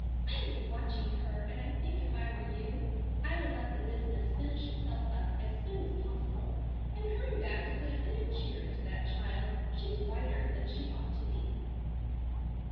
I have been watching her, and I think if I were you I would let the business finish itself up as soon as possible and hurry back to put a bit of cheer into that child. She's whiter than she ought to be."